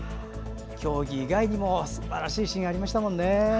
競技以外にもすばらしいシーンありましたね。